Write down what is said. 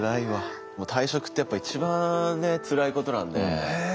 もう退職ってやっぱ一番ねつらいことなんで。